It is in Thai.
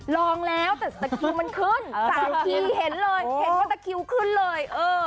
ลองแล้วแต่ตะคิวมันขึ้น๓ทีเห็นเลยเห็นว่าตะคิวขึ้นเลย